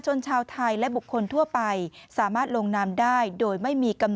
ชาวไทยและบุคคลทั่วไปสามารถลงนามได้โดยไม่มีกำหนด